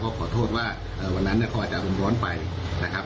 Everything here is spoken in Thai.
ก็ขอโทษว่าวันนั้นเขาอาจจะอารมณ์ร้อนไปนะครับ